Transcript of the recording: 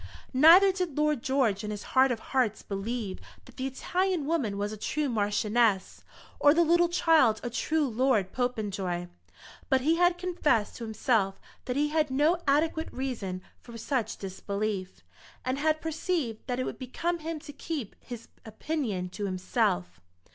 Neither did Lord George in his heart of hearts believe that the Italian woman was a true Marchioness or the little child a true Lord Popenjoy; but he had confessed to himself that he had no adequate reason for such disbelief, and had perceived that it would become him to keep his opinion to himself.